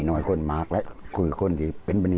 วิทยาลัยศาสตรี